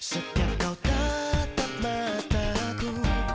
sampai jumpa lagi